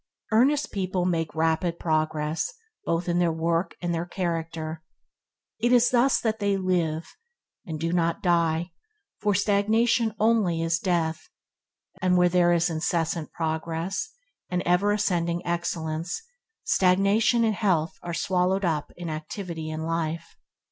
Earnest people make rapid progress both in their work and their character. It is thus that they live, and "do not die", for stagnation only is death, and where there is incessant progress and ever ascending excellence, stagnation and health are swallowed up in activity and life.